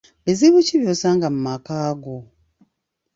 Bizibu ki by'osanga mu makaago?